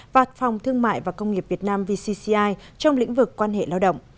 và phòng thương mại và công nghiệp việt nam vcci trong lĩnh vực quan hệ lao động